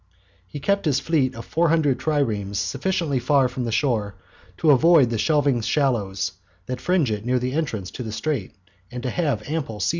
He kept his fleet of four hundred triremes sufficiently far from the shore to avoid the shelving shallows that fringe it near the entrance to the straits, and to have ample sea room.